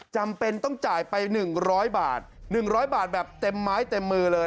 จำเป็นต้องจ่ายไป๑๐๐บาท๑๐๐บาทแบบเต็มไม้เต็มมือเลย